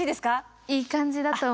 いい感じだと思います。